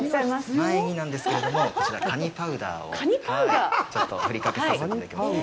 前になんですけれどもこちら、かにパウダーをちょっと振りかけさせていただきますね。